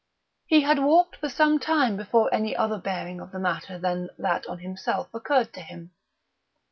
He had walked for some time before any other bearing of the matter than that on himself occurred to him.